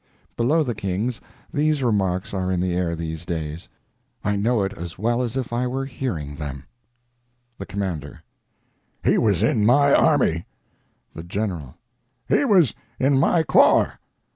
Below the kings, these remarks are in the air these days; I know it as well as if I were hearing them: THE COMMANDER: "He was in my army." THE GENERAL: "He was in my corps."